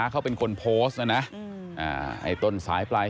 ดูคลิปกันก่อนนะครับแล้วเดี๋ยวมาเล่าให้ฟังนะครับ